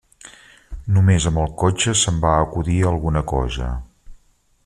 Només amb el cotxe se'm va acudir alguna cosa.